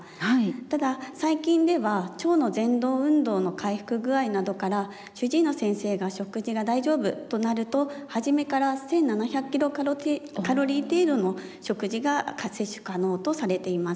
ただ最近では腸のぜん動運動の回復具合などから主治医の先生が食事が大丈夫となると初めから１７００キロカロリー程度の食事が摂取可能とされています。